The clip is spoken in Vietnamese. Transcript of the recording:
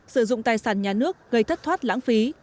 sử dụng tài sản nhà nước gây thất thoát lãng phí